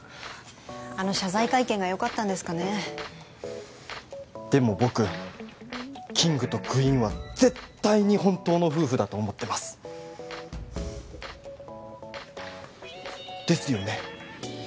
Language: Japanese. あの謝罪会見がよかったんですかねでも僕キングとクイーンは絶対に本当の夫婦だと思ってますですよね？